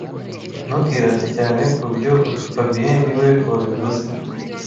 Ntukirate cyane kubyo fabien niwe wabivuze